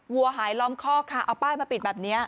วัวหายล้อมคอกค่ะเอาป้ายมาปิดแบบนี้